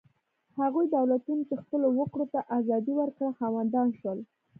هغو دولتونو چې خپلو وګړو ته ازادي ورکړه خاوندان شول.